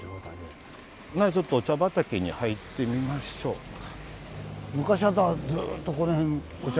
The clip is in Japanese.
ちょっとお茶畑に入ってみましょうか。